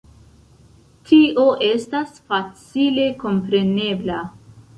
Tio estas facile komprenebla.